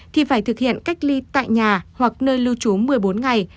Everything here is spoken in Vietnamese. thì phải thực hiện cách ly tại nhà hoặc nơi lưu trú một mươi bốn ngày